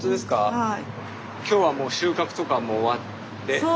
はい。